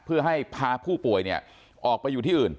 เพื่อให้พาผู้ป่วยออกไปอยู่ที่อื่น